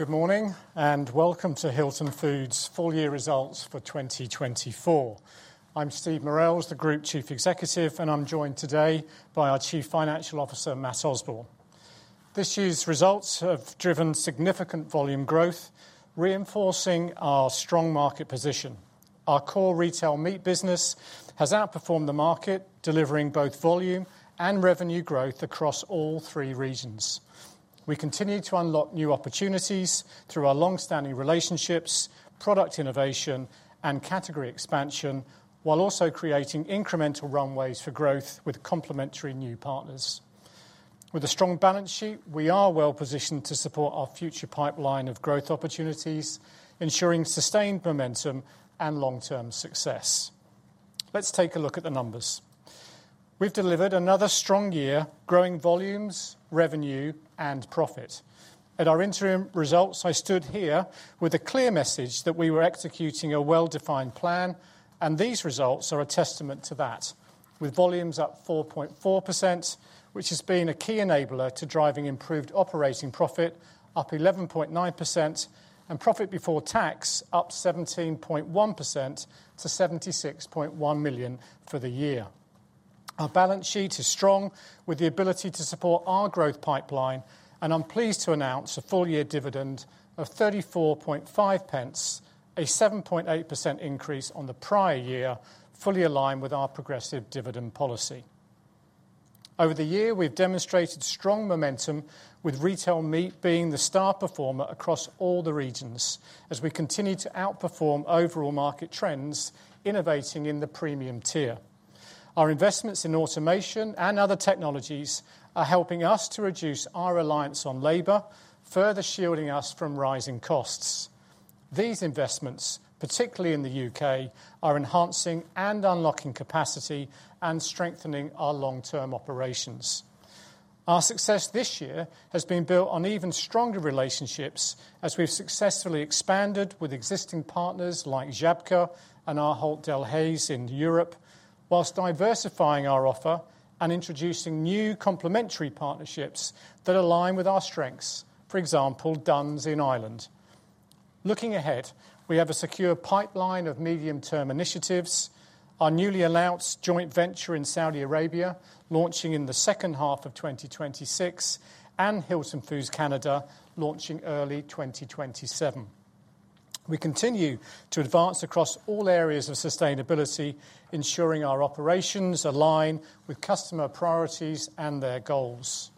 Good morning and welcome to Hilton Food Group's full year results for 2024. I'm Steve Murrell, the Group Chief Executive, and I'm joined today by our Chief Financial Officer, Matt Osborne. This year's results have driven significant volume growth, reinforcing our strong market position. Our core retail meat business has outperformed the market, delivering both volume and revenue growth across all three regions. We continue to unlock new opportunities through our long-standing relationships, product innovation, and category expansion, while also creating incremental runways for growth with complementary new partners. With a strong balance sheet, we are well positioned to support our future pipeline of growth opportunities, ensuring sustained momentum and long-term success. Let's take a look at the numbers. We've delivered another strong year, growing volumes, revenue, and profit. At our interim results, I stood here with a clear message that we were executing a well-defined plan, and these results are a testament to that, with volumes up 4.4%, which has been a key enabler to driving improved operating profit, up 11.9%, and profit before tax up 17.1% to 76.1 million for the year. Our balance sheet is strong, with the ability to support our growth pipeline, and I'm pleased to announce a full year dividend of 0.345, a 7.8% increase on the prior year, fully aligned with our progressive dividend policy. Over the year, we've demonstrated strong momentum, with retail meat being the star performer across all the regions, as we continue to outperform overall market trends, innovating in the premium tier. Our investments in automation and other technologies are helping us to reduce our reliance on labor, further shielding us from rising costs. These investments, particularly in the U.K., are enhancing and unlocking capacity and strengthening our long-term operations. Our success this year has been built on even stronger relationships, as we've successfully expanded with existing partners like Žabka and our Halt dale Hayes in Europe, whilst diversifying our offer and introducing new complementary partnerships that align with our strengths, for example, Dunnes in Ireland. Looking ahead, we have a secure pipeline of medium-term initiatives, our newly announced joint venture in Saudi Arabia launching in the second half of 2026, and Hilton Foods Canada launching early 2027. We continue to advance across all areas of sustainability, ensuring our operations align with customer priorities and their goals.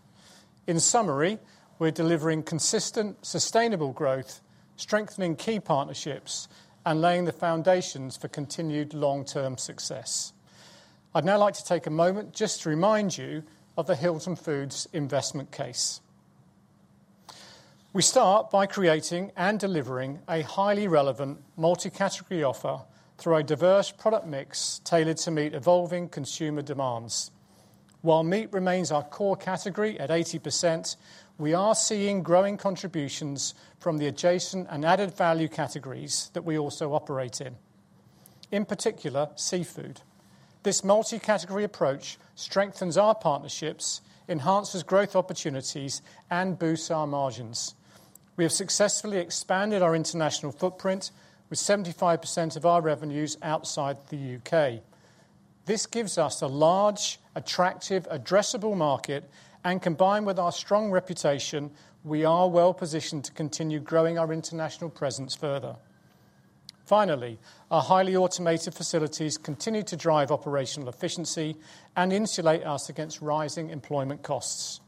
In summary, we're delivering consistent, sustainable growth, strengthening key partnerships, and laying the foundations for continued long-term success. I'd now like to take a moment just to remind you of the Hilton Foods investment case. We start by creating and delivering a highly relevant multi-category offer through our diverse product mix tailored to meet evolving consumer demands. While meat remains our core category at 80%, we are seeing growing contributions from the adjacent and added value categories that we also operate in, in particular, seafood. This multi-category approach strengthens our partnerships, enhances growth opportunities, and boosts our margins. We have successfully expanded our international footprint, with 75% of our revenues outside the U.K. This gives us a large, attractive, addressable market, and combined with our strong reputation, we are well positioned to continue growing our international presence further. Finally, our highly automated facilities continue to drive operational efficiency and insulate us against rising employment costs.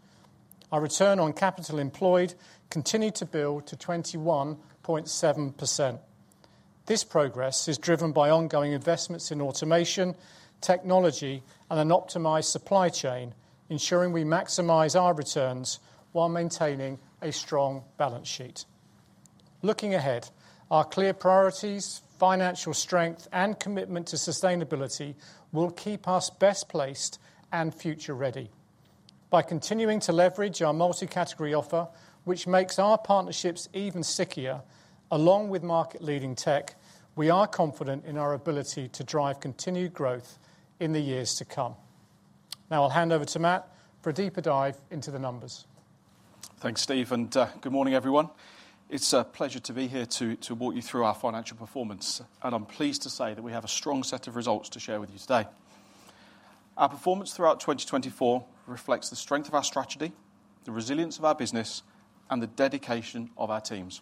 Our return on capital employed continued to build to 21.7%. This progress is driven by ongoing investments in automation, technology, and an optimized supply chain, ensuring we maximize our returns while maintaining a strong balance sheet. Looking ahead, our clear priorities, financial strength, and commitment to sustainability will keep us best placed and future-ready. By continuing to leverage our multi-category offer, which makes our partnerships even stickier, along with market-leading tech, we are confident in our ability to drive continued growth in the years to come. Now I'll hand over to Matt for a deeper dive into the numbers. Thanks, Steve, and good morning, everyone. It's a pleasure to be here to walk you through our financial performance, and I'm pleased to say that we have a strong set of results to share with you today. Our performance throughout 2024 reflects the strength of our strategy, the resilience of our business, and the dedication of our teams.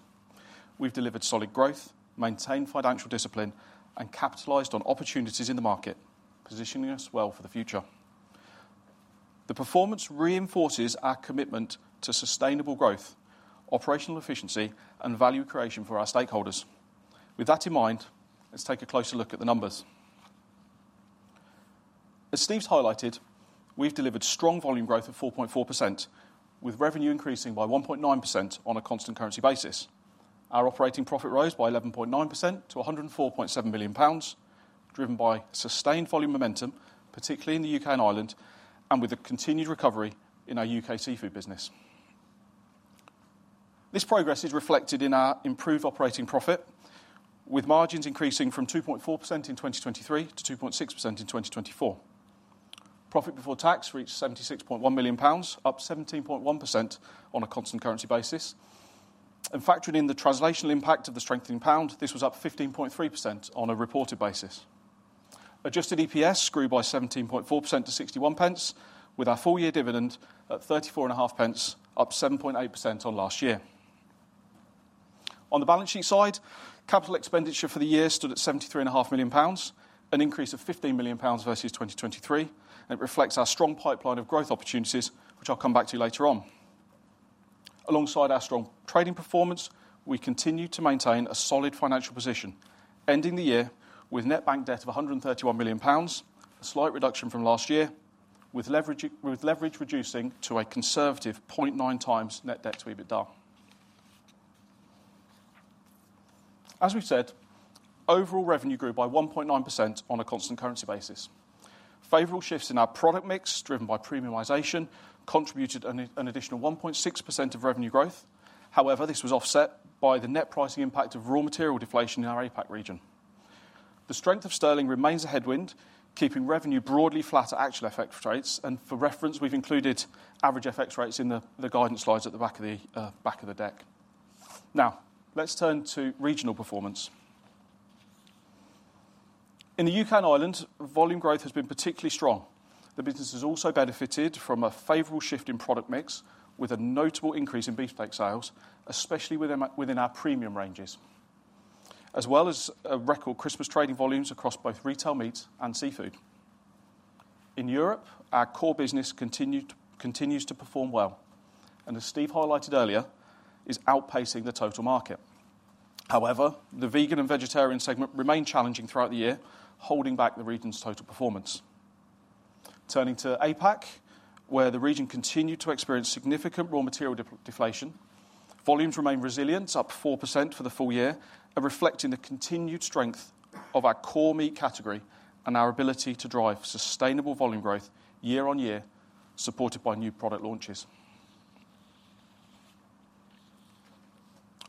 We've delivered solid growth, maintained financial discipline, and capitalized on opportunities in the market, positioning us well for the future. The performance reinforces our commitment to sustainable growth, operational efficiency, and value creation for our stakeholders. With that in mind, let's take a closer look at the numbers. As Steve's highlighted, we've delivered strong volume growth of 4.4%, with revenue increasing by 1.9% on a constant currency basis. Our operating profit rose by 11.9% to 104.7 million pounds, driven by sustained volume momentum, particularly in the U.K. and Ireland, and with the continued recovery in our U.K. seafood business. This progress is reflected in our improved operating profit, with margins increasing from 2.4% in 2023 to 2.6% in 2024. Profit before tax reached 76.1 million pounds, up 17.1% on a constant currency basis. Factoring in the translational impact of the strengthening pound, this was up 15.3% on a reported basis. Adjusted EPS grew by 17.4% to 61 pence, with our full year dividend at 34.5 pence, up 7.8% on last year. On the balance sheet side, capital expenditure for the year stood at 73.5 million pounds, an increase of 15 million pounds versus 2023, and it reflects our strong pipeline of growth opportunities, which I'll come back to later on. Alongside our strong trading performance, we continue to maintain a solid financial position, ending the year with net bank debt of 131 million pounds, a slight reduction from last year, with leverage reducing to a conservative 0.9 times net debt to EBITDA. As we said, overall revenue grew by 1.9% on a constant currency basis. Favorable shifts in our product mix, driven by premiumization, contributed an additional 1.6% of revenue growth. However, this was offset by the net pricing impact of raw material deflation in our APAC region. The strength of sterling remains a headwind, keeping revenue broadly flat at actual effects rates, and for reference, we have included average effects rates in the guidance slides at the back of the deck. Now, let's turn to regional performance. In the U.K. and Ireland, volume growth has been particularly strong. The business has also benefited from a favorable shift in product mix, with a notable increase in Beefsteak sales, especially within our premium ranges, as well as record Christmas trading volumes across both retail meats and seafood. In Europe, our core business continues to perform well, and as Steve highlighted earlier, is outpacing the total market. However, the vegan and vegetarian segment remained challenging throughout the year, holding back the region's total performance. Turning to APAC, where the region continued to experience significant raw material deflation, volumes remained resilient, up 4% for the full year, and reflecting the continued strength of our core meat category and our ability to drive sustainable volume growth year on year, supported by new product launches.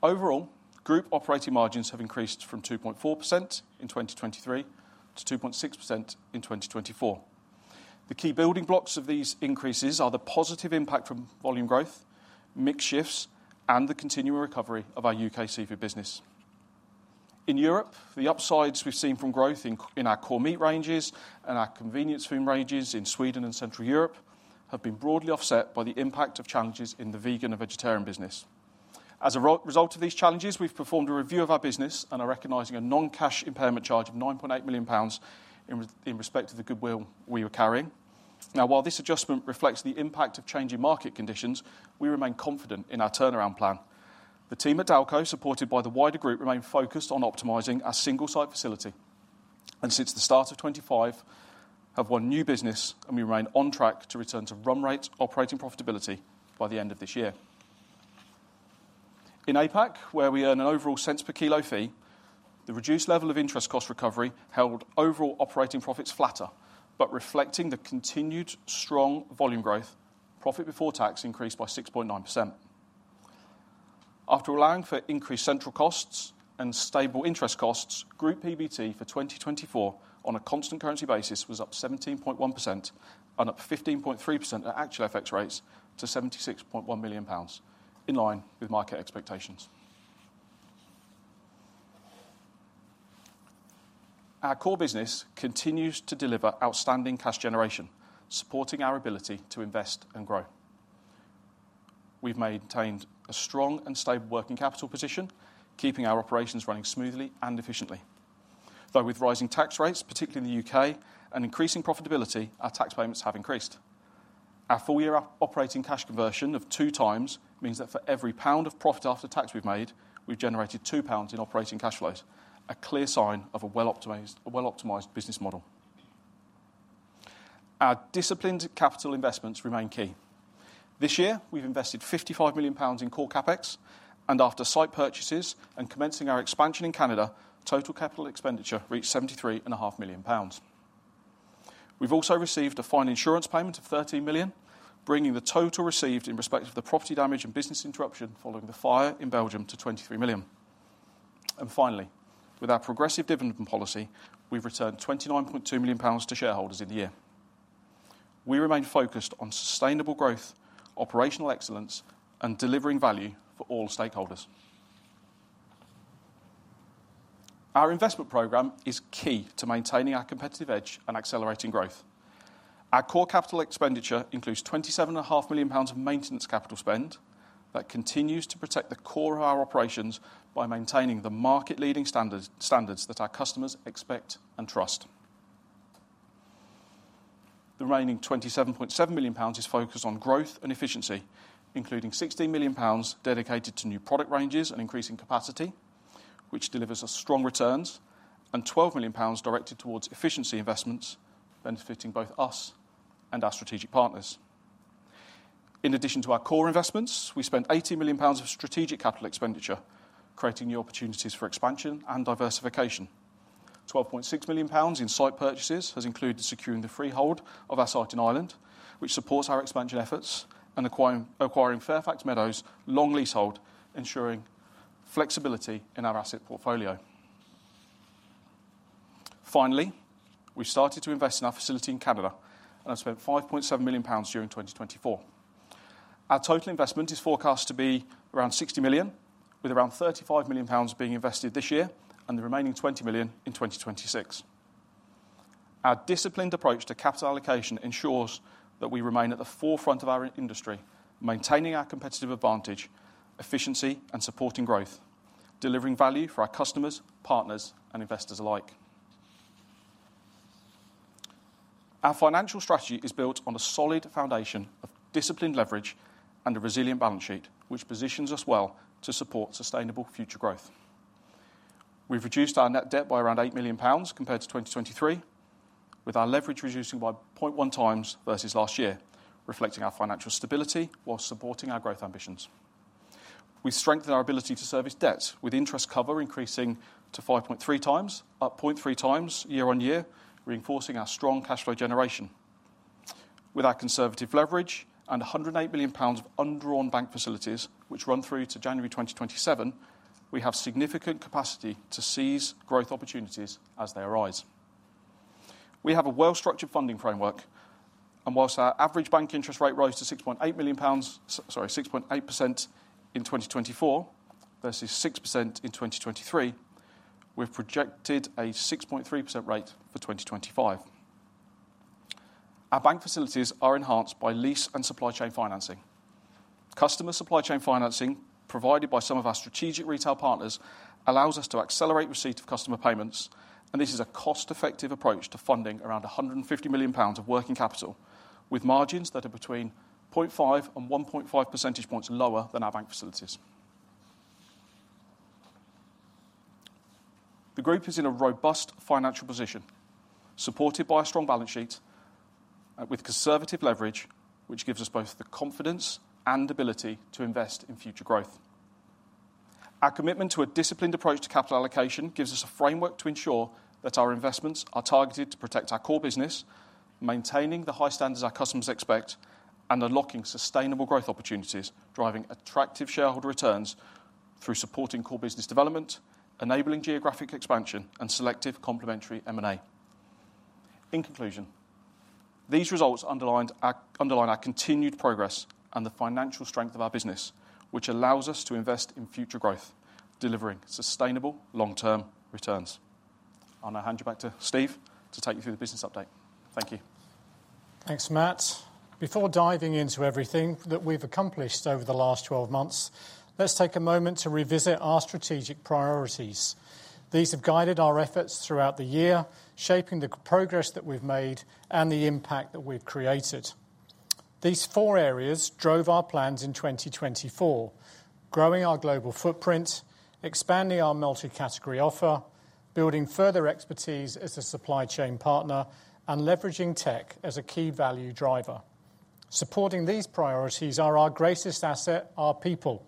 Overall, group operating margins have increased from 2.4% in 2023 to 2.6% in 2024. The key building blocks of these increases are the positive impact from volume growth, mixed shifts, and the continuing recovery of our U.K. seafood business. In Europe, the upsides we've seen from growth in our core meat ranges and our convenience food ranges in Sweden and Central Europe have been broadly offset by the impact of challenges in the vegan and vegetarian business. As a result of these challenges, we've performed a review of our business and are recognizing a non-cash impairment charge of 9.8 million pounds in respect of the goodwill we were carrying. Now, while this adjustment reflects the impact of changing market conditions, we remain confident in our turnaround plan. The team at Dalco, supported by the wider group, remains focused on optimizing our single-site facility and since the start of 2025 have won new business, and we remain on track to return to run rate operating profitability by the end of this year. In APAC, where we earn an overall cents per kilo fee, the reduced level of interest cost recovery held overall operating profits flatter, but reflecting the continued strong volume growth, profit before tax increased by 6.9%. After allowing for increased central costs and stable interest costs, group EBT for 2024 on a constant currency basis was up 17.1% and up 15.3% at actual effects rates to 76.1 million pounds, in line with market expectations. Our core business continues to deliver outstanding cash generation, supporting our ability to invest and grow. We've maintained a strong and stable working capital position, keeping our operations running smoothly and efficiently. Though with rising tax rates, particularly in the U.K., and increasing profitability, our tax payments have increased. Our full year operating cash conversion of two times means that for every pound of profit after tax we've made, we've generated 2 pounds in operating cash flows, a clear sign of a well-optimized business model. Our disciplined capital investments remain key. This year, we've invested 55 million pounds in core CapEx, and after site purchases and commencing our expansion in Canada, total capital expenditure reached GBP 73.5 million. We've also received a fine insurance payment of GBP 13 million, bringing the total received in respect of the property damage and business interruption following the fire in Belgium to GBP 23 million. Finally, with our progressive dividend policy, we've returned GBP 29.2 million to shareholders in the year. We remain focused on sustainable growth, operational excellence, and delivering value for all stakeholders. Our investment program is key to maintaining our competitive edge and accelerating growth. Our core capital expenditure includes 27.5 million pounds of maintenance capital spend that continues to protect the core of our operations by maintaining the market-leading standards that our customers expect and trust. The remaining 27.7 million pounds is focused on growth and efficiency, including 16 million pounds dedicated to new product ranges and increasing capacity, which delivers strong returns, and 12 million pounds directed towards efficiency investments, benefiting both us and our strategic partners. In addition to our core investments, we spent 18 million pounds of strategic capital expenditure, creating new opportunities for expansion and diversification. 12.6 million pounds in site purchases has included securing the freehold of our site in Ireland, which supports our expansion efforts and acquiring Fairfax Meadow's long leasehold, ensuring flexibility in our asset portfolio. Finally, we've started to invest in our facility in Canada, and I've spent 5.7 million pounds during 2024. Our total investment is forecast to be around 60 million, with around 35 million pounds being invested this year and the remaining 20 million in 2026. Our disciplined approach to capital allocation ensures that we remain at the forefront of our industry, maintaining our competitive advantage, efficiency, and supporting growth, delivering value for our customers, partners, and investors alike. Our financial strategy is built on a solid foundation of disciplined leverage and a resilient balance sheet, which positions us well to support sustainable future growth. We've reduced our net debt by around 8 million pounds compared to 2023, with our leverage reducing by 0.1 times versus last year, reflecting our financial stability while supporting our growth ambitions. We strengthen our ability to service debts with interest cover increasing to 5.3 times, up 0.3 times year on year, reinforcing our strong cash flow generation. With our conservative leverage and 108 million pounds of undrawn bank facilities, which run through to January 2027, we have significant capacity to seize growth opportunities as they arise. We have a well-structured funding framework, and whilst our average bank interest rate rose to 6.8 million pounds, sorry, 6.8% in 2024 versus 6% in 2023, we've projected a 6.3% rate for 2025. Our bank facilities are enhanced by lease and supply chain financing. Customer supply chain financing provided by some of our strategic retail partners allows us to accelerate receipt of customer payments, and this is a cost-effective approach to funding around 150 million pounds of working capital, with margins that are between 0.5 and 1.5 percentage points lower than our bank facilities. The group is in a robust financial position, supported by a strong balance sheet with conservative leverage, which gives us both the confidence and ability to invest in future growth. Our commitment to a disciplined approach to capital allocation gives us a framework to ensure that our investments are targeted to protect our core business, maintaining the high standards our customers expect, and unlocking sustainable growth opportunities, driving attractive shareholder returns through supporting core business development, enabling geographic expansion, and selective complementary M&A. In conclusion, these results underline our continued progress and the financial strength of our business, which allows us to invest in future growth, delivering sustainable long-term returns. I'll now hand you back to Steve to take you through the business update. Thank you. Thanks, Matt. Before diving into everything that we've accomplished over the last 12 months, let's take a moment to revisit our strategic priorities. These have guided our efforts throughout the year, shaping the progress that we've made and the impact that we've created. These four areas drove our plans in 2024: growing our global footprint, expanding our multi-category offer, building further expertise as a supply chain partner, and leveraging tech as a key value driver. Supporting these priorities are our greatest asset, our people,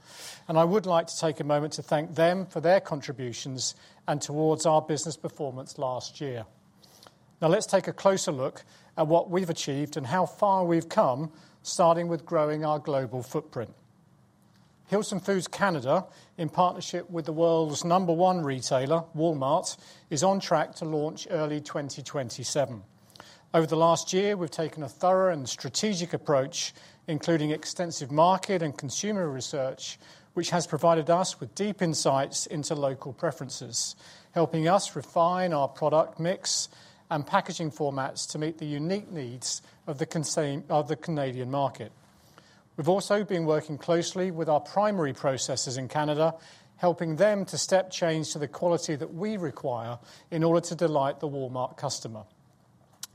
and I would like to take a moment to thank them for their contributions and towards our business performance last year. Now, let's take a closer look at what we've achieved and how far we've come, starting with growing our global footprint. Hilton Foods Canada, in partnership with the world's number one retailer, Walmart, is on track to launch early 2027. Over the last year, we've taken a thorough and strategic approach, including extensive market and consumer research, which has provided us with deep insights into local preferences, helping us refine our product mix and packaging formats to meet the unique needs of the Canadian market. We've also been working closely with our primary processors in Canada, helping them to step change to the quality that we require in order to delight the Walmart customer.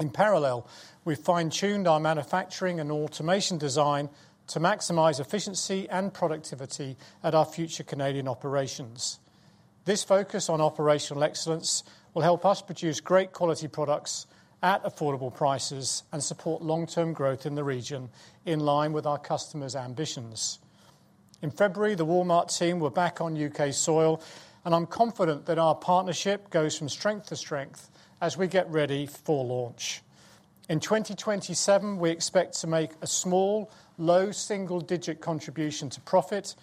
In parallel, we've fine-tuned our manufacturing and automation design to maximize efficiency and productivity at our future Canadian operations. This focus on operational excellence will help us produce great quality products at affordable prices and support long-term growth in the region in line with our customers' ambitions. In February, the Walmart team were back on U.K. soil, and I'm confident that our partnership goes from strength to strength as we get ready for launch. In 2027, we expect to make a small, low single-digit contribution to profit,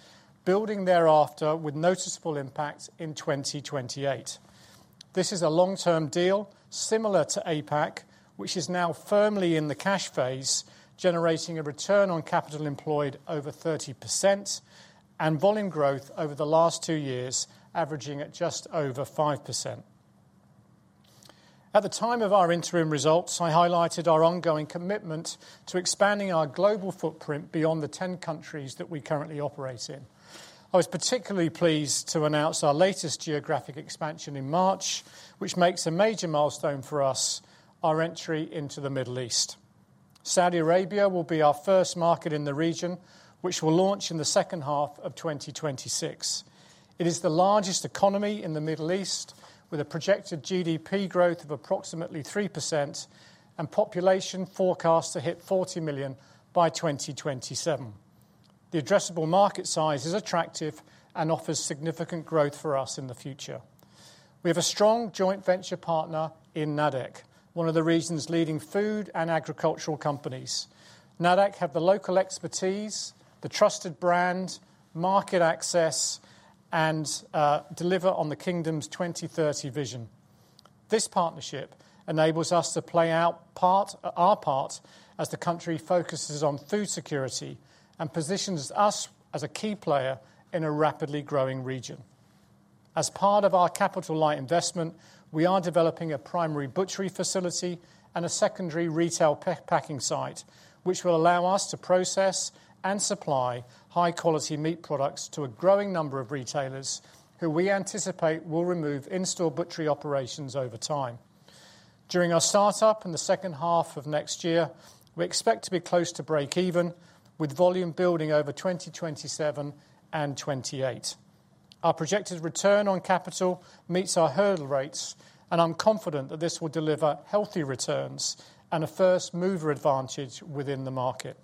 building thereafter with noticeable impact in 2028. This is a long-term deal similar to APAC, which is now firmly in the cash phase, generating a return on capital employed over 30% and volume growth over the last two years, averaging at just over 5%. At the time of our interim results, I highlighted our ongoing commitment to expanding our global footprint beyond the 10 countries that we currently operate in. I was particularly pleased to announce our latest geographic expansion in March, which marks a major milestone for us: our entry into the Middle East. Saudi Arabia will be our first market in the region, which will launch in the second half of 2026. It is the largest economy in the Middle East, with a projected GDP growth of approximately 3% and a population forecast to hit 40 million by 2027. The addressable market size is attractive and offers significant growth for us in the future. We have a strong joint venture partner in NADEC, one of the region's leading food and agricultural companies. NADEC has the local expertise, the trusted brand, market access, and delivers on the Kingdom's 2030 vision. This partnership enables us to play out our part as the country focuses on food security and positions us as a key player in a rapidly growing region. As part of our capital light investment, we are developing a primary butchery facility and a secondary retail packing site, which will allow us to process and supply high-quality meat products to a growing number of retailers who we anticipate will remove in-store butchery operations over time. During our startup in the second half of next year, we expect to be close to break-even, with volume building over 2027 and 2028. Our projected return on capital meets our hurdle rates, and I'm confident that this will deliver healthy returns and a first-mover advantage within the market.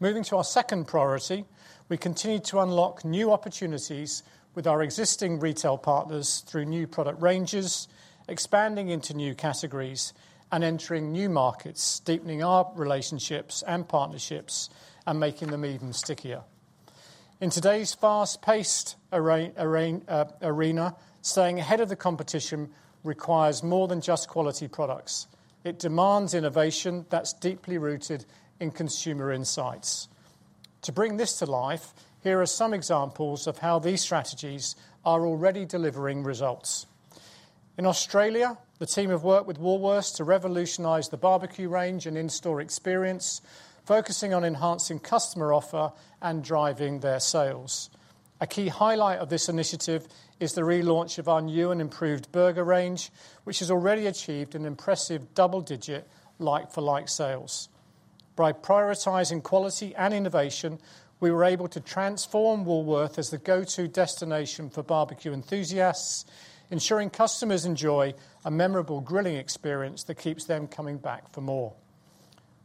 Moving to our second priority, we continue to unlock new opportunities with our existing retail partners through new product ranges, expanding into new categories and entering new markets, deepening our relationships and partnerships, and making them even stickier. In today's fast-paced arena, staying ahead of the competition requires more than just quality products. It demands innovation that's deeply rooted in consumer insights. To bring this to life, here are some examples of how these strategies are already delivering results. In Australia, the team have worked with Woolworths to revolutionize the barbecue range and in-store experience, focusing on enhancing customer offer and driving their sales. A key highlight of this initiative is the relaunch of our new and improved burger range, which has already achieved an impressive double-digit like-for-like sales. By prioritizing quality and innovation, we were able to transform Woolworths as the go-to destination for barbecue enthusiasts, ensuring customers enjoy a memorable grilling experience that keeps them coming back for more.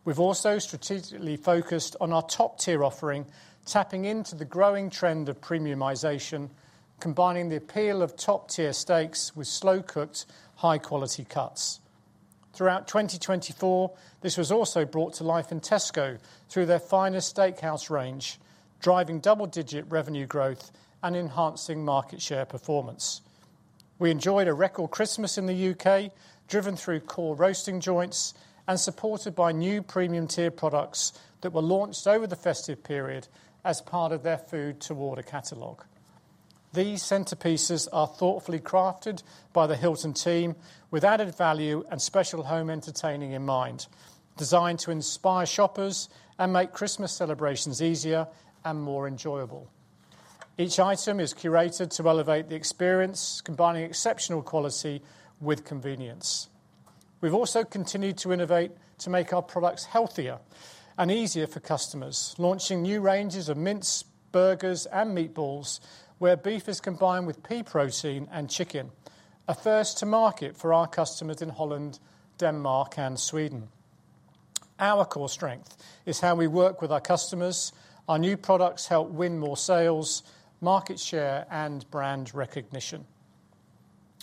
We've also strategically focused on our top-tier offering, tapping into the growing trend of premiumization, combining the appeal of top-tier steaks with slow-cooked, high-quality cuts. Throughout 2024, this was also brought to life in Tesco through their finest Steakhouse Range, driving double-digit revenue growth and enhancing market share performance. We enjoyed a record Christmas in the U.K., driven through core roasting joints and supported by new premium-tier products that were launched over the festive period as part of their Food to Order catalog. These centerpieces are thoughtfully crafted by the Hilton team, with added value and special home entertaining in mind, designed to inspire shoppers and make Christmas celebrations easier and more enjoyable. Each item is curated to elevate the experience, combining exceptional quality with convenience. We've also continued to innovate to make our products healthier and easier for customers, launching new ranges of mints, burgers, and meatballs, where beef is combined with pea protein and chicken, a first to market for our customers in Holland, Denmark, and Sweden. Our core strength is how we work with our customers. Our new products help win more sales, market share, and brand recognition.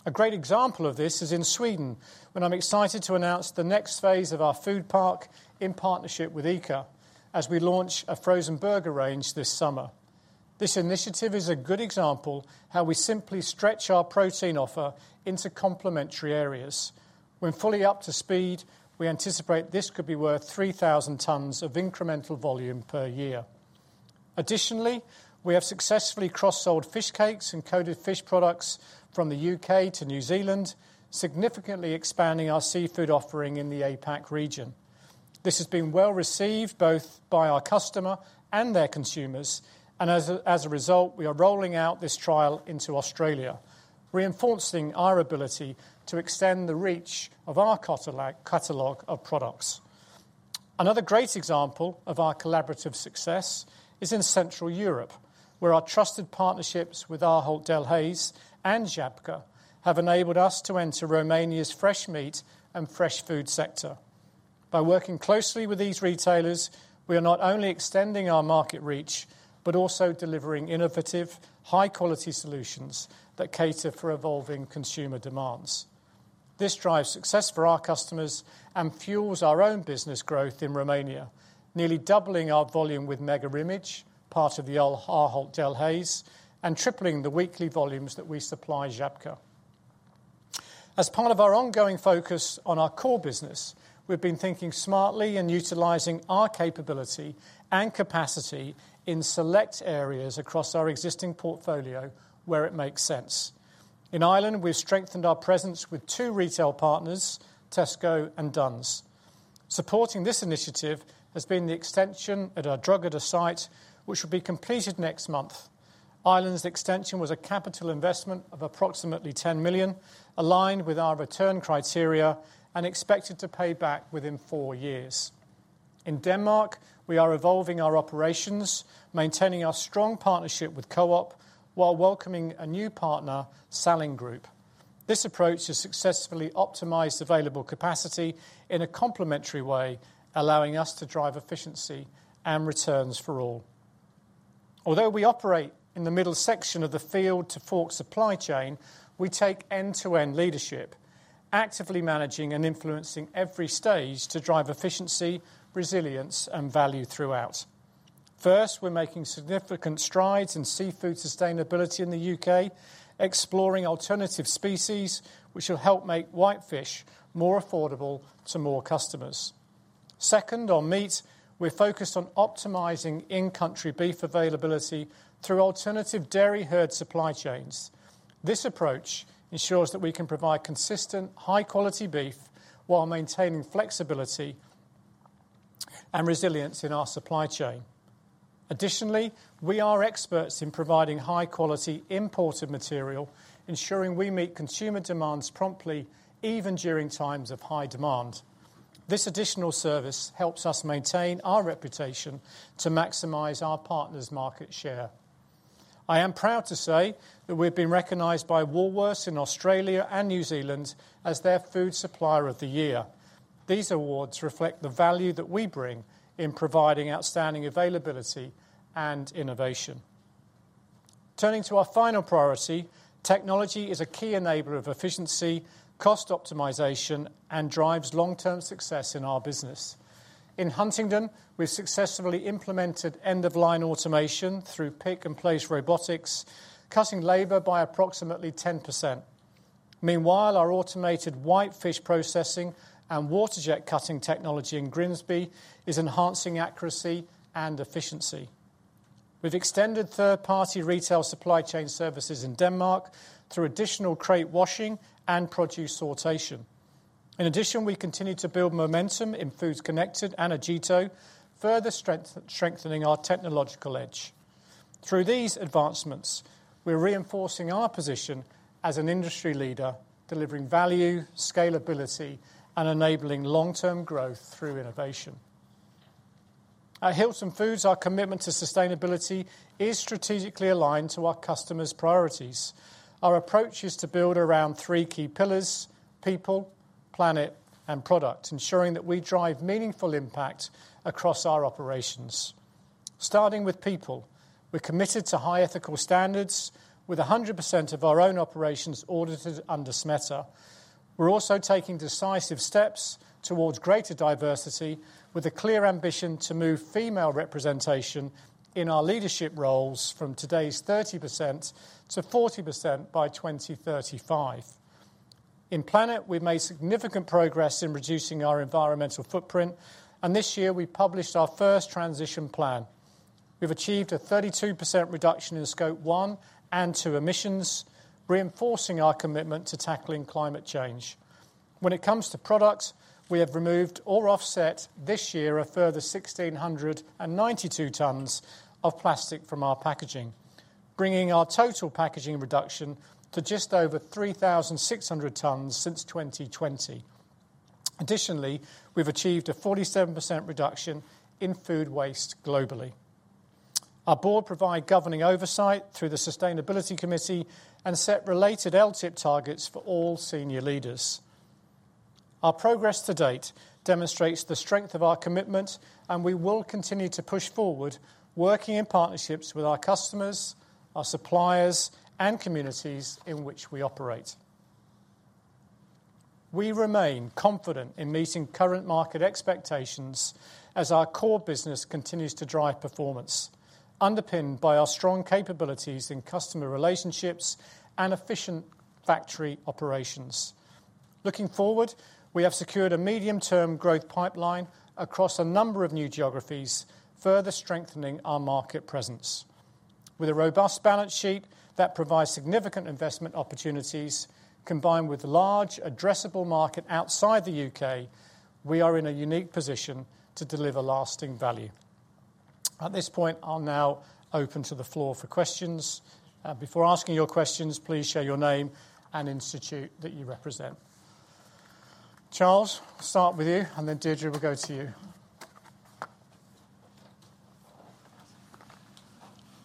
A great example of this is in Sweden, when I'm excited to announce the next phase of our food park in partnership with ICA as we launch a frozen burger range this summer. This initiative is a good example of how we simply stretch our protein offer into complementary areas. When fully up to speed, we anticipate this could be worth 3,000 tons of incremental volume per year. Additionally, we have successfully cross-sold fish cakes and coated fish products from the U.K. to New Zealand, significantly expanding our seafood offering in the APAC region. This has been well received both by our customer and their consumers, and as a result, we are rolling out this trial into Australia, reinforcing our ability to extend the reach of our catalog of products. Another great example of our collaborative success is in Central Europe, where our trusted partnerships with Ahold Delhaize and Žabka have enabled us to enter Romania's fresh meat and fresh food sector. By working closely with these retailers, we are not only extending our market reach, but also delivering innovative, high-quality solutions that cater for evolving consumer demands. This drives success for our customers and fuels our own business growth in Romania, nearly doubling our volume with Mega Image, part of the Ahold Delhaize, and tripling the weekly volumes that we supply Žabka. As part of our ongoing focus on our core business, we've been thinking smartly and utilizing our capability and capacity in select areas across our existing portfolio where it makes sense. In Ireland, we've strengthened our presence with two retail partners, Tesco and Dunnes. Supporting this initiative has been the extension at our Drogheda site which will be completed next month. Ireland's extension was a capital investment of approximately 10 million, aligned with our return criteria and expected to pay back within four years. In Denmark, we are evolving our operations, maintaining our strong partnership with Co-op while welcoming a new partner, Salling Group. This approach has successfully optimized available capacity in a complementary way, allowing us to drive efficiency and returns for all. Although we operate in the middle section of the field to fork supply chain, we take end-to-end leadership, actively managing and influencing every stage to drive efficiency, resilience, and value throughout. First, we're making significant strides in seafood sustainability in the U.K., exploring alternative species which will help make whitefish more affordable to more customers. Second, on meat, we're focused on optimizing in-country beef availability through alternative dairy herd supply chains. This approach ensures that we can provide consistent, high-quality beef while maintaining flexibility and resilience in our supply chain. Additionally, we are experts in providing high-quality imported material, ensuring we meet consumer demands promptly, even during times of high demand. This additional service helps us maintain our reputation to maximize our partners' market share. I am proud to say that we've been recognized by Woolworths in Australia and New Zealand as their Food Supplier of the Year. These awards reflect the value that we bring in providing outstanding availability and innovation. Turning to our final priority, technology is a key enabler of efficiency, cost optimization, and drives long-term success in our business. In Huntingdon, we've successfully implemented end-of-line automation through pick-and-place robotics, cutting labor by approximately 10%. Meanwhile, our automated whitefish processing and water jet cutting technology in Grimsby is enhancing accuracy and efficiency. We've extended third-party retail supply chain services in Denmark through additional crate washing and produce sortation. In addition, we continue to build momentum in Foods Connected and Agito, further strengthening our technological edge. Through these advancements, we're reinforcing our position as an industry leader, delivering value, scalability, and enabling long-term growth through innovation. At Hilton Foods, our commitment to sustainability is strategically aligned to our customers' priorities. Our approach is to build around three key pillars: people, planet, and product, ensuring that we drive meaningful impact across our operations. Starting with people, we're committed to high ethical standards, with 100% of our own operations audited under SMETA. We're also taking decisive steps towards greater diversity, with a clear ambition to move female representation in our leadership roles from today's 30% to 40% by 2035. In planet, we've made significant progress in reducing our environmental footprint, and this year we published our first transition plan. We've achieved a 32% reduction in scope one and two emissions, reinforcing our commitment to tackling climate change. When it comes to product, we have removed or offset this year a further 1,692 tons of plastic from our packaging, bringing our total packaging reduction to just over 3,600 tons since 2020. Additionally, we've achieved a 47% reduction in food waste globally. Our board provides governing oversight through the Sustainability Committee and set related LTIP targets for all senior leaders. Our progress to date demonstrates the strength of our commitment, and we will continue to push forward, working in partnerships with our customers, our suppliers, and communities in which we operate. We remain confident in meeting current market expectations as our core business continues to drive performance, underpinned by our strong capabilities in customer relationships and efficient factory operations. Looking forward, we have secured a medium-term growth pipeline across a number of new geographies, further strengthening our market presence. With a robust balance sheet that provides significant investment opportunities, combined with a large, addressable market outside the U.K., we are in a unique position to deliver lasting value. At this point, I'll now open to the floor for questions. Before asking your questions, please share your name and institute that you represent. Charles, I'll start with you, and then Deirdre will go to you.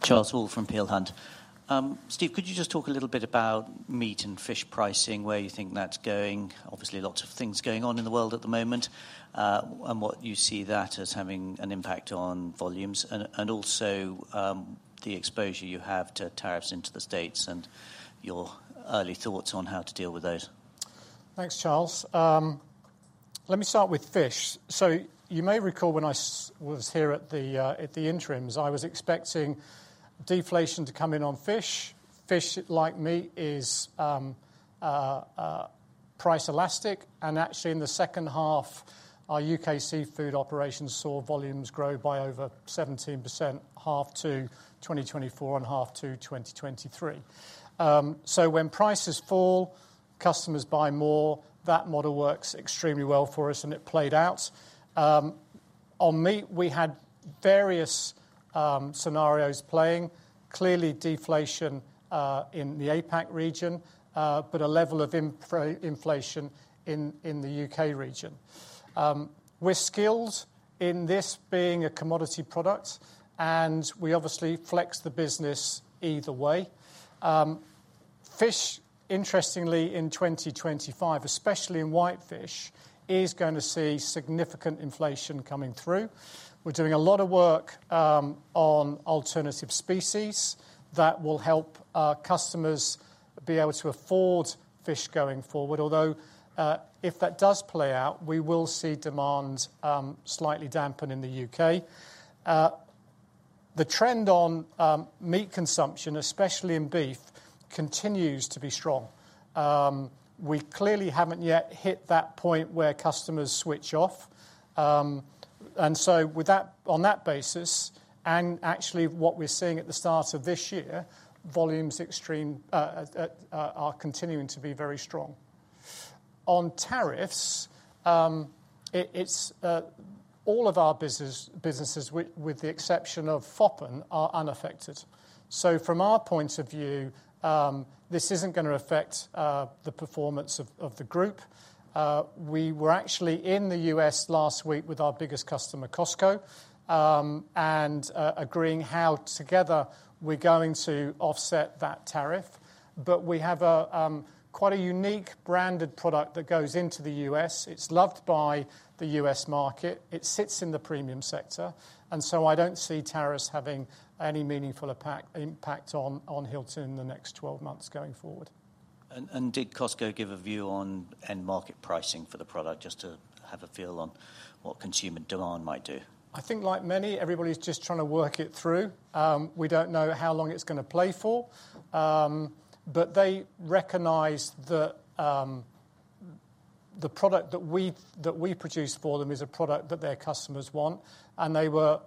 Charles Hall from Peel Hunt. Steve, could you just talk a little bit about meat and fish pricing, where you think that's going? Obviously, lots of things going on in the world at the moment, and what you see that as having an impact on volumes, and also the exposure you have to tariffs into the states and your early thoughts on how to deal with those. Thanks, Charles. Let me start with fish. You may recall when I was here at the interims, I was expecting deflation to come in on fish. Fish, like meat, is price elastic, and actually, in the second half, our U.K. seafood operations saw volumes grow by over 17%, half to 2024 and half to 2023. When prices fall, customers buy more. That model works extremely well for us, and it played out. On meat, we had various scenarios playing, clearly deflation in the APAC region, but a level of inflation in the U.K. region. We're skilled in this being a commodity product, and we obviously flex the business either way. Fish, interestingly, in 2025, especially in whitefish, is going to see significant inflation coming through. We're doing a lot of work on alternative species that will help our customers be able to afford fish going forward, although if that does play out, we will see demand slightly dampen in the U.K. The trend on meat consumption, especially in beef, continues to be strong. We clearly haven't yet hit that point where customers switch off. On that basis, and actually what we're seeing at the start of this year, volumes are continuing to be very strong. On tariffs, all of our businesses, with the exception of Foppen, are unaffected. From our point of view, this is not going to affect the performance of the group. We were actually in the U.S. last week with our biggest customer, Costco, and agreeing how together we are going to offset that tariff. We have quite a unique branded product that goes into the U.S. It is loved by the U.S. market. It sits in the premium sector. I do not see tariffs having any meaningful impact on Hilton in the next 12 months going forward. Did Costco give a view on end market pricing for the product, just to have a feel on what consumer demand might do? I think like many, everybody is just trying to work it through. We do not know how long it is going to play for, but they recognize that the product that we produce for them is a product that their customers want. They were,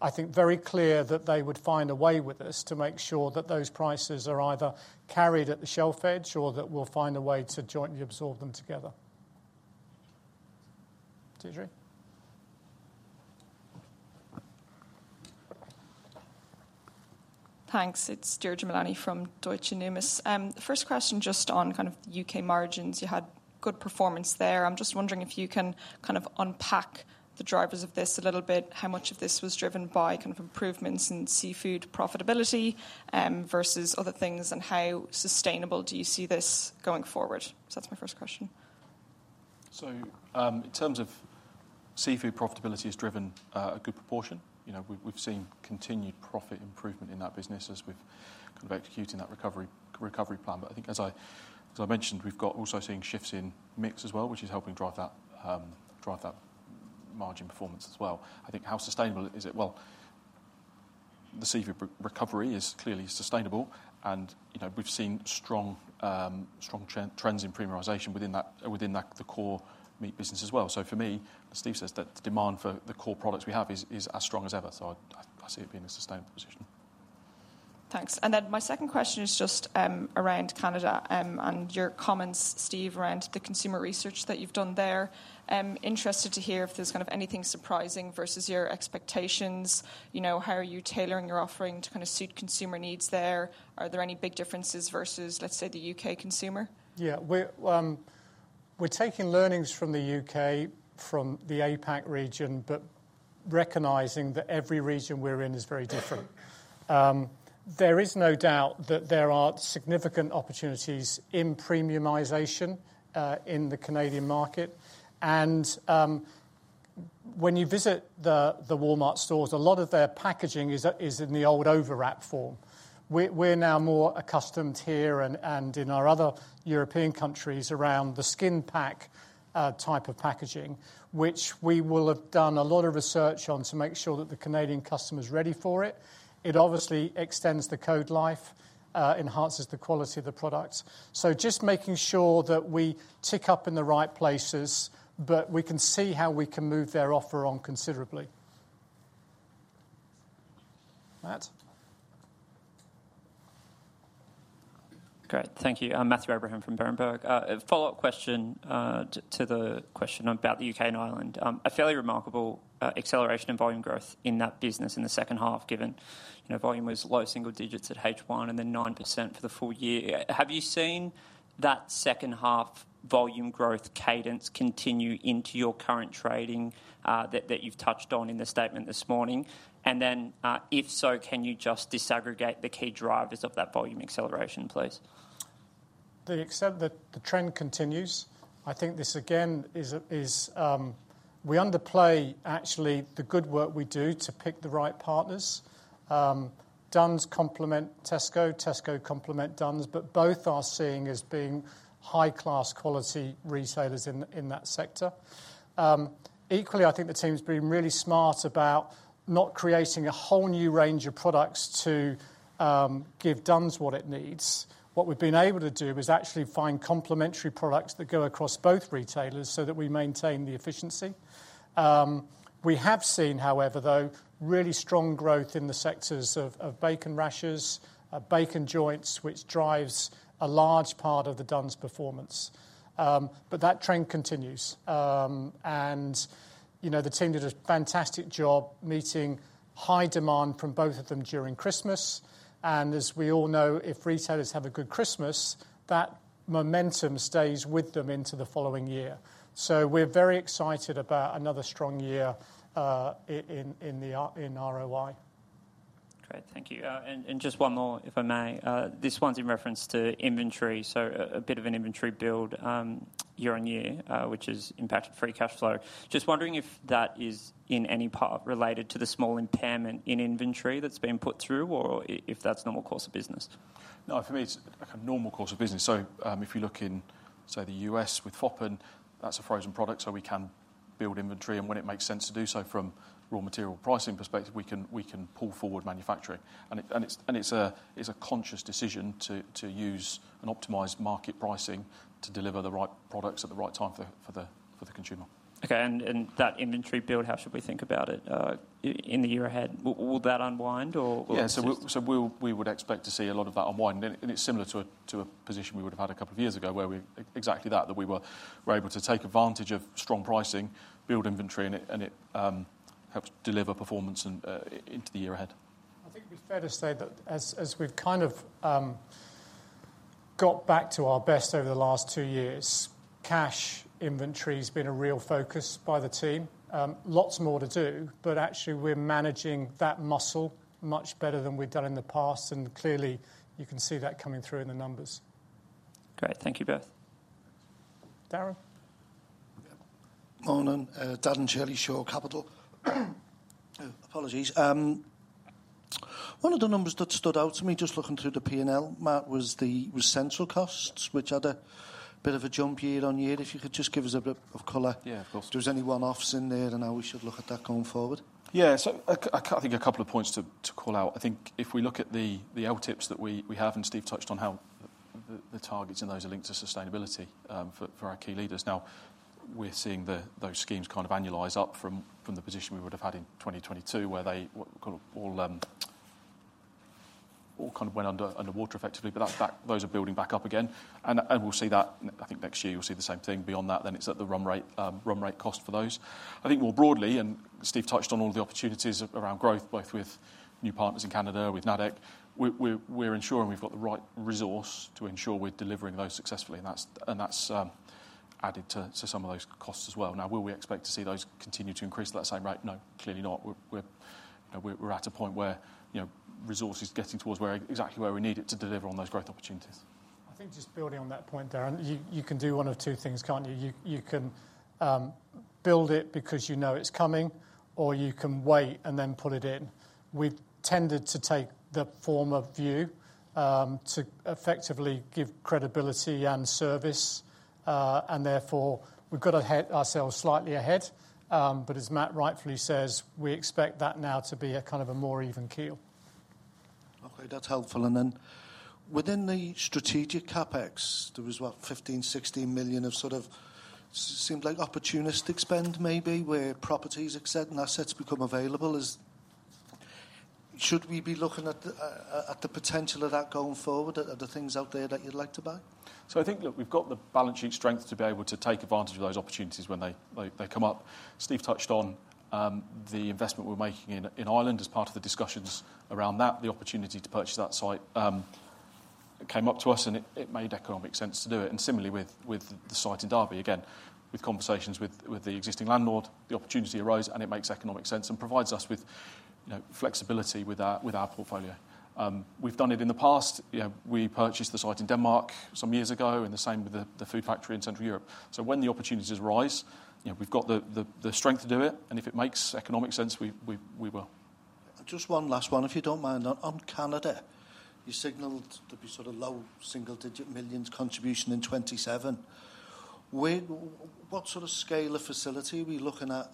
I think, very clear that they would find a way with us to make sure that those prices are either carried at the shelf edge or that we will find a way to jointly absorb them together. Deirdre? Thanks. It is Deirdre Mullaney from Deutsche Numis. First question, just on kind of the U.K. margins. You had good performance there. I am just wondering if you can kind of unpack the drivers of this a little bit. How much of this was driven by kind of improvements in seafood profitability versus other things, and how sustainable do you see this going forward? That is my first question. In terms of seafood profitability, it is driven a good proportion. We've seen continued profit improvement in that business as we've kind of executed that recovery plan. I think, as I mentioned, we've also seen shifts in mix as well, which is helping drive that margin performance as well. I think, how sustainable is it? The seafood recovery is clearly sustainable, and we've seen strong trends in premiumization within the core meat business as well. For me, as Steve says, the demand for the core products we have is as strong as ever. I see it being a sustainable position. Thanks. My second question is just around Canada and your comments, Steve, around the consumer research that you've done there. Interested to hear if there's kind of anything surprising versus your expectations. How are you tailoring your offering to kind of suit consumer needs there? Are there any big differences versus, let's say, the U.K. consumer? Yeah, we're taking learnings from the U.K., from the APAC region, but recognizing that every region we're in is very different. There is no doubt that there are significant opportunities in premiumization in the Canadian market. When you visit the Walmart stores, a lot of their packaging is in the old overwrap form. We're now more accustomed here, and in our other European countries, around the skin pack type of packaging, which we will have done a lot of research on to make sure that the Canadian customer is ready for it. It obviously extends the code life, enhances the quality of the product. Just making sure that we tick up in the right places, but we can see how we can move their offer on considerably. Matt? Great. Thank you. Matthew Abraham from Berenberg. A follow-up question to the question about the U.K. and Ireland. A fairly remarkable acceleration in volume growth in that business in the second half, given volume was low single digits at H1 and then 9% for the full year. Have you seen that second half volume growth cadence continue into your current trading that you've touched on in the statement this morning? If so, can you just disaggregate the key drivers of that volume acceleration, please? To the extent that the trend continues, I think this, again, is we underplay actually the good work we do to pick the right partners. Dunnes complement Tesco. Tesco complement Dunnes, but both are seen as being high-class quality retailers in that sector. Equally, I think the team's been really smart about not creating a whole new range of products to give Dunnes what it needs. What we've been able to do is actually find complementary products that go across both retailers so that we maintain the efficiency. We have seen, however, really strong growth in the sectors of bacon rashers, bacon joints, which drives a large part of the Dunnes performance. That trend continues. The team did a fantastic job meeting high demand from both of them during Christmas. As we all know, if retailers have a good Christmas, that momentum stays with them into the following year. We are very excited about another strong year in ROI. Great. Thank you. Just one more, if I may. This one is in reference to inventory, so a bit of an inventory build year on year, which has impacted free cash flow. Just wondering if that is in any part related to the small impairment in inventory that's been put through, or if that's normal course of business. No, for me, it's a normal course of business. If you look in, say, the U.S. with Foppen, that's a frozen product, so we can build inventory. When it makes sense to do so from a raw material pricing perspective, we can pull forward manufacturing. It's a conscious decision to use an optimized market pricing to deliver the right products at the right time for the consumer. Okay. That inventory build, how should we think about it in the year ahead? Will that unwind, or? Yeah. We would expect to see a lot of that unwind. It's similar to a position we would have had a couple of years ago, where we exactly that, that we were able to take advantage of strong pricing, build inventory, and it helps deliver performance into the year ahead. I think it'd be fair to say that as we've kind of got back to our best over the last two years, cash inventory has been a real focus by the team. Lots more to do, but actually we're managing that muscle much better than we've done in the past. Clearly, you can see that coming through in the numbers. Great. Thank you both. Darren? Morning. Darren Shirley, Shore Capital. Apologies. One of the numbers that stood out to me, just looking through the P&L, Matt, was the essential costs, which had a bit of a jump year on year. If you could just give us a bit of color. Yeah, of course. If there's any one-offs in there and how we should look at that going forward. Yeah. I think a couple of points to call out. I think if we look at the LTIPs that we have, and Steve touched on how the targets and those are linked to sustainability for our key leaders. Now, we're seeing those schemes kind of annualize up from the position we would have had in 2022, where they all kind of went underwater effectively, but those are building back up again. You'll see that, I think next year, you'll see the same thing. Beyond that, then it's at the run rate cost for those. I think more broadly, and Steve touched on all the opportunities around growth, both with new partners in Canada, with NADEC, we're ensuring we've got the right resource to ensure we're delivering those successfully. That's added to some of those costs as well. Now, will we expect to see those continue to increase at that same rate? No, clearly not. We're at a point where resource is getting towards exactly where we need it to deliver on those growth opportunities. I think just building on that point, Darren, you can do one of two things, can't you? You can build it because you know it's coming, or you can wait and then put it in. We've tended to take the former view to effectively give credibility and service, and therefore we've got to hit ourselves slightly ahead. As Matt rightfully says, we expect that now to be a kind of a more even keel. Okay, that's helpful. Within the strategic CapEx, there was about 15-16 million of sort of seemed like opportunistic spend, maybe, where properties, etc., and assets become available. Should we be looking at the potential of that going forward, at the things out there that you'd like to buy? I think, look, we've got the balance sheet strength to be able to take advantage of those opportunities when they come up. Steve touched on the investment we're making in Ireland as part of the discussions around that. The opportunity to purchase that site came up to us, and it made economic sense to do it. Similarly, with the site in Derby, again, with conversations with the existing landlord, the opportunity arose, and it makes economic sense and provides us with flexibility with our portfolio. We've done it in the past. We purchased the site in Denmark some years ago, and the same with the food factory in Central Europe. When the opportunities arise, we've got the strength to do it. If it makes economic sense, we will. Just one last one, if you don't mind. On Canada, you signaled to be sort of low single-digit millions contribution in 2027. What sort of scale of facility are we looking at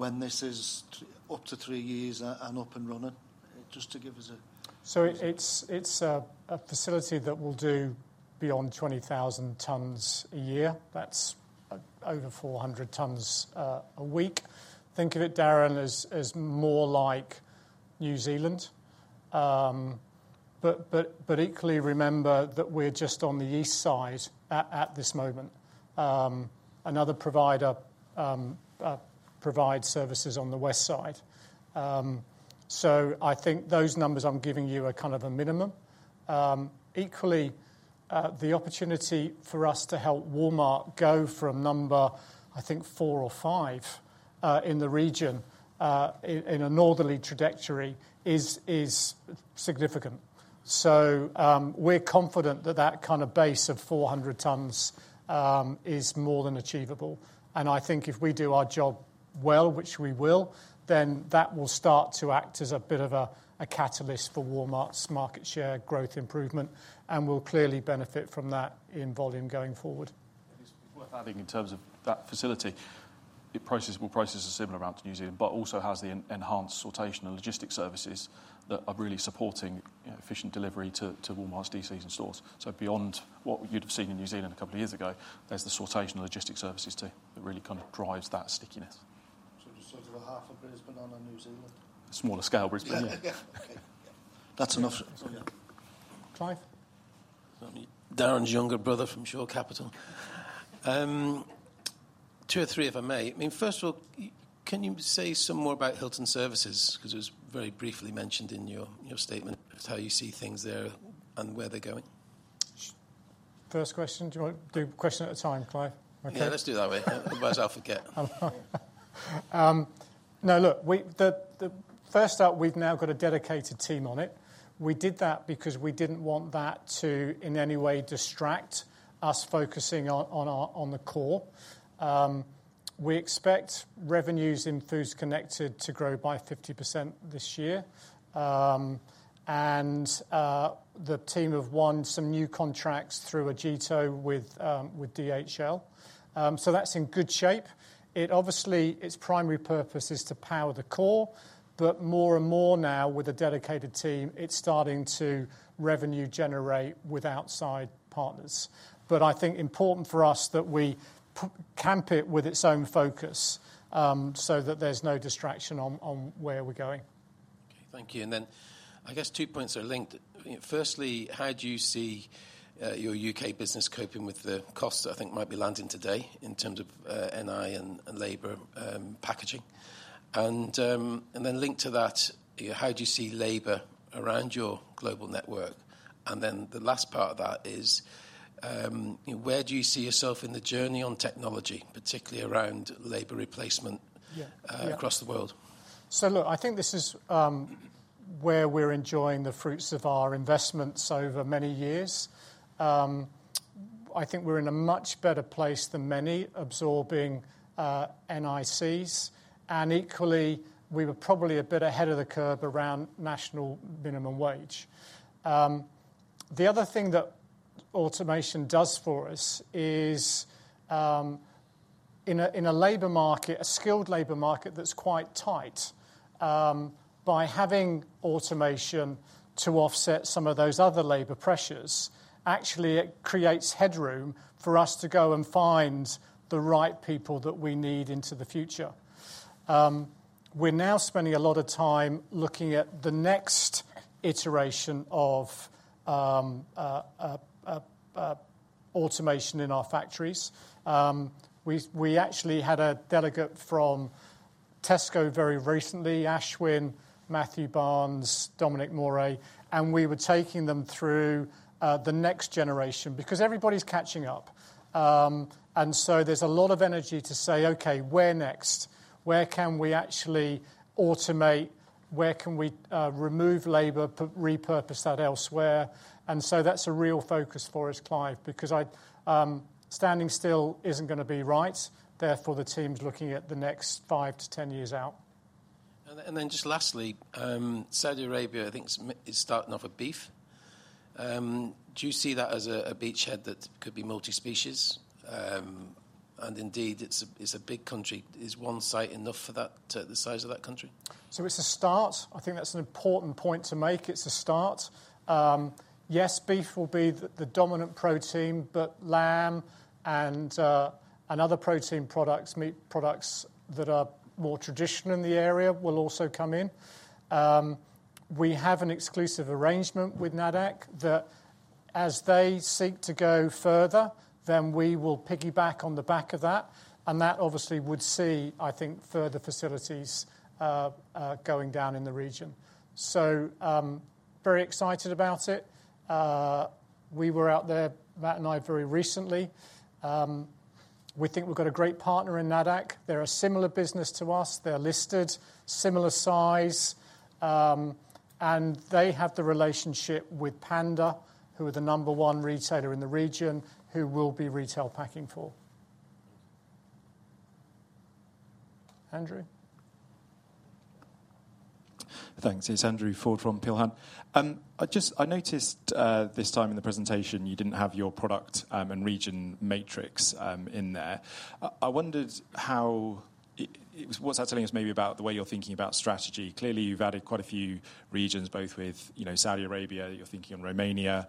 when this is up to three years and up and running? Just to give us a... It is a facility that will do beyond 20,000 tons a year. That is over 400 tons a week. Think of it, Darren, it is more like New Zealand. Equally, remember that we're just on the east side at this moment. Another provider provides services on the west side. I think those numbers I'm giving you are kind of a minimum. Equally, the opportunity for us to help Walmart go from number, I think, four or five in the region in a northerly trajectory is significant. We're confident that that kind of base of 400 tons is more than achievable. I think if we do our job well, which we will, then that will start to act as a bit of a catalyst for Walmart's market share growth improvement, and we'll clearly benefit from that in volume going forward. Adding in terms of that facility, it will process a similar amount to New Zealand, but also has the enhanced sortation and logistic services that are really supporting efficient delivery to Walmart's DCs and stores. Beyond what you'd have seen in New Zealand a couple of years ago, there's the sortation and logistic services too that really kind of drives that stickiness. You said you were half of Brisbane and New Zealand? Smaller scale Brisbane, yeah. That's enough. That's all you. Clive? Darren's younger brother from Shore Capital. Two or three, if I may. I mean, first of all, can you say some more about Hilton Services? Because it was very briefly mentioned in your statement of how you see things there and where they're going. First question. Do you want to do question at a time, Clive? Yeah, let's do it that way. Otherwise, I'll forget. No, look, first up, we've now got a dedicated team on it. We did that because we didn't want that to in any way distract us focusing on the core. We expect revenues in Foods Connected to grow by 50% this year. The team have won some new contracts through Agito with DHL. That is in good shape. Obviously, its primary purpose is to power the core, but more and more now, with a dedicated team, it is starting to revenue generate with outside partners. I think important for us that we camp it with its own focus so that there is no distraction on where we are going. Okay, thank you. I guess two points are linked. Firstly, how do you see your U.K. business coping with the costs that I think might be landing today in terms of NI and labor packaging? Linked to that, how do you see labor around your global network? The last part of that is, where do you see yourself in the journey on technology, particularly around labor replacement across the world? Look, I think this is where we're enjoying the fruits of our investments over many years. I think we're in a much better place than many absorbing NICs. Equally, we were probably a bit ahead of the curve around national minimum wage. The other thing that automation does for us is, in a labor market, a skilled labor market that's quite tight, by having automation to offset some of those other labor pressures, actually it creates headroom for us to go and find the right people that we need into the future. We're now spending a lot of time looking at the next iteration of automation in our factories. We actually had a delegate from Tesco very recently, Ashwin, Matthew Barnes, Dominic Morrey, and we were taking them through the next generation because everybody's catching up. There is a lot of energy to say, okay, where next? Where can we actually automate? Where can we remove labor, repurpose that elsewhere? That is a real focus for us, Clive, because standing still isn't going to be right. Therefore, the team's looking at the next five to ten years out. Just lastly, Saudi Arabia, I think is starting off with beef. Do you see that as a beachhead that could be multi-species? It is a big country. Is one site enough for that, the size of that country? It is a start. I think that's an important point to make. It is a start. Yes, beef will be the dominant protein, but lamb and other protein products, meat products that are more traditional in the area will also come in. We have an exclusive arrangement with NADEC that as they seek to go further, we will piggyback on the back of that. That obviously would see, I think, further facilities going down in the region. Very excited about it. We were out there, Matt and I, very recently. We think we've got a great partner in NADEC. They're a similar business to us. They're listed, similar size. They have the relationship with Panda, who are the number one retailer in the region, who we will be retail packing for. Andrew? Thanks. It's Andrew Ford from Berenberg. I noticed this time in the presentation, you didn't have your product and region matrix in there. I wondered how what's that telling us maybe about the way you're thinking about strategy? Clearly, you've added quite a few regions, both with Saudi Arabia, you're thinking of Romania.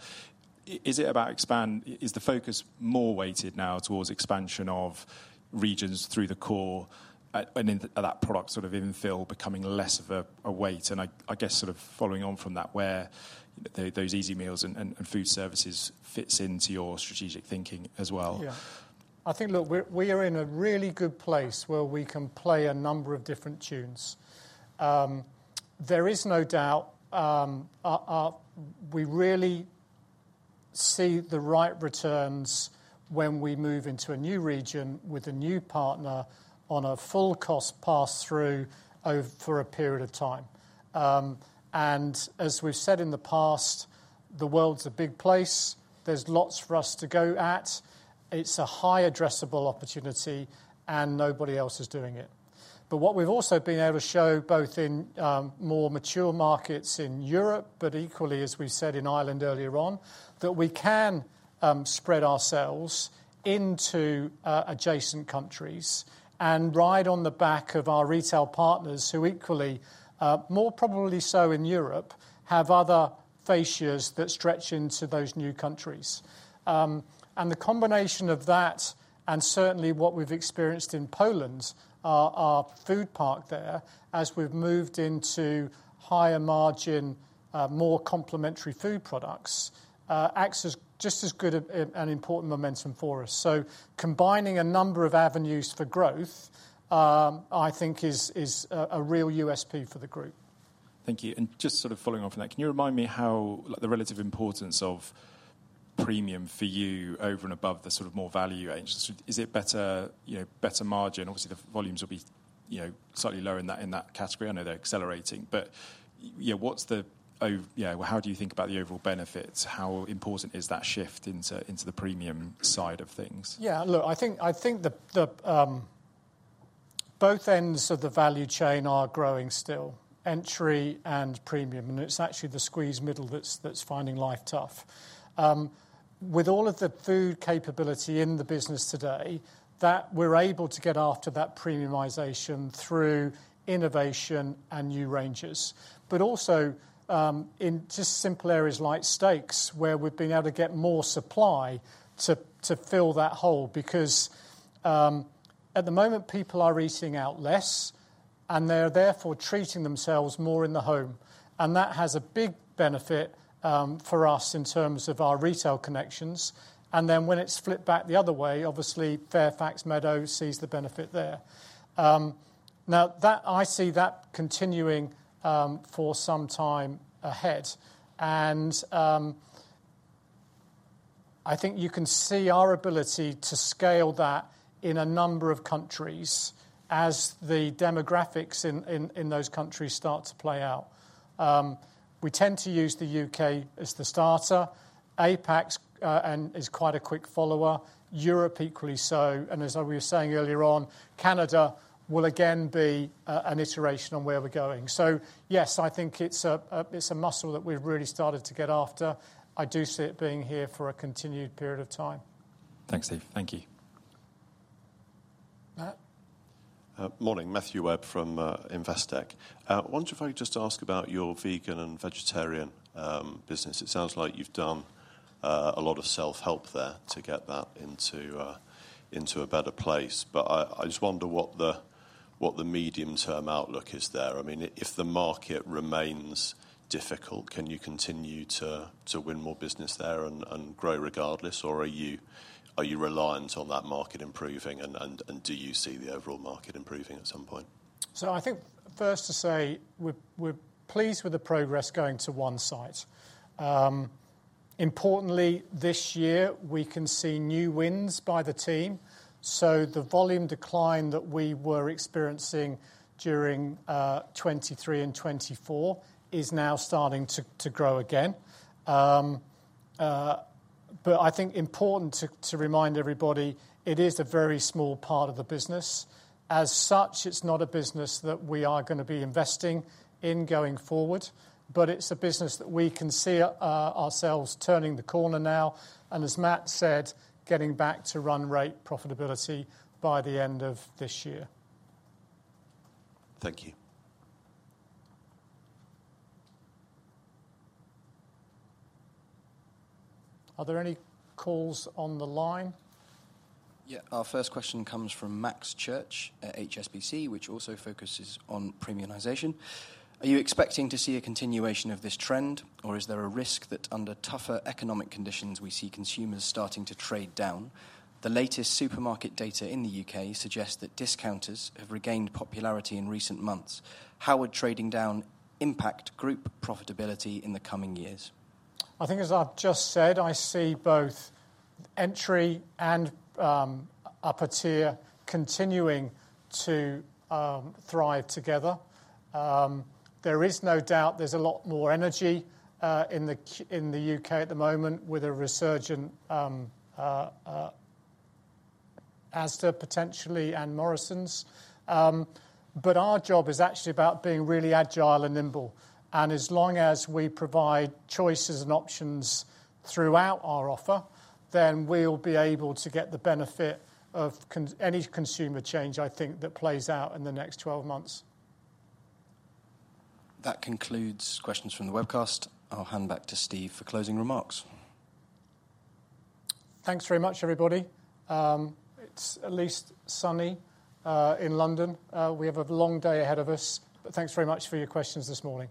Is it about expand? Is the focus more weighted now towards expansion of regions through the core and that product sort of infill becoming less of a weight? I guess sort of following on from that, where those easy meals and foodservices fits into your strategic thinking as well. Yeah. I think that we are in a really good place where we can play a number of different tunes. There is no doubt we really see the right returns when we move into a new region with a new partner on a full cost pass-through for a period of time. As we've said in the past, the world's a big place. There's lots for us to go at. It's a high addressable opportunity, and nobody else is doing it. What we've also been able to show, both in more mature markets in Europe, but equally, as we said in Ireland earlier on, is that we can spread ourselves into adjacent countries and ride on the back of our retail partners who equally, more probably so in Europe, have other fascias that stretch into those new countries. The combination of that, and certainly what we've experienced in Poland, our food park there, as we've moved into higher margin, more complementary food products, acts as just as good an important momentum for us. Combining a number of avenues for growth, I think, is a real USP for the group. Thank you. Just sort of following on from that, can you remind me how the relative importance of premium for you over and above the sort of more value? Is it better margin? Obviously, the volumes will be slightly lower in that category. I know they're accelerating. Yeah, what's the, yeah, how do you think about the overall benefits? How important is that shift into the premium side of things? Yeah, look, I think both ends of the value chain are growing still, entry and premium. It's actually the squeezed middle that's finding life tough. With all of the food capability in the business today, we're able to get after that premiumization through innovation and new ranges, but also in just simple areas like steaks, where we've been able to get more supply to fill that hole. Because at the moment, people are eating out less, and they are therefore treating themselves more in the home. That has a big benefit for us in terms of our retail connections. When it is flipped back the other way, obviously, Fairfax Meadow sees the benefit there. I see that continuing for some time ahead. I think you can see our ability to scale that in a number of countries as the demographics in those countries start to play out. We tend to use the U.K. as the starter. APAC is quite a quick follower. Europe equally so. As we were saying earlier on, Canada will again be an iteration on where we are going. Yes, I think it is a muscle that we have really started to get after. I do see it being here for a continued period of time. Thanks, Steve. Thank you. Matt? Morning, Matthew Webb from Investec. I wonder if I could just ask about your vegan and vegetarian business. It sounds like you've done a lot of self-help there to get that into a better place. I just wonder what the medium-term outlook is there. I mean, if the market remains difficult, can you continue to win more business there and grow regardless? Are you reliant on that market improving? Do you see the overall market improving at some point? I think first to say, we're pleased with the progress going to one site. Importantly, this year, we can see new wins by the team. The volume decline that we were experiencing during 2023 and 2024 is now starting to grow again. I think important to remind everybody, it is a very small part of the business. As such, it's not a business that we are going to be investing in going forward, but it's a business that we can see ourselves turning the corner now. As Matt said, getting back to run rate profitability by the end of this year. Thank you. Are there any calls on the line? Yeah, our first question comes from Max Church at HSBC, which also focuses on premiumization. Are you expecting to see a continuation of this trend, or is there a risk that under tougher economic conditions, we see consumers starting to trade down? The latest supermarket data in the U.K. suggests that discounters have regained popularity in recent months. How would trading down impact group profitability in the coming years? I think, as I've just said, I see both entry and upper tier continuing to thrive together. There is no doubt there's a lot more energy in the U.K. at the moment with a resurgence as to potentially Morrisons. Our job is actually about being really agile and nimble. As long as we provide choices and options throughout our offer, then we'll be able to get the benefit of any consumer change, I think, that plays out in the next 12 months. That concludes questions from the webcast. I'll hand back to Steve for closing remarks. Thanks very much, everybody. It's at least sunny in London. We have a long day ahead of us. Thanks very much for your questions this morning.